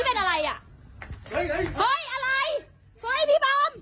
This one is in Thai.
เฮ้ยพี่ปำ